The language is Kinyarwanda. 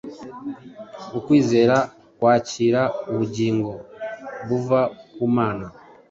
Ukwizera kwakira ubugingo buva ku Mana,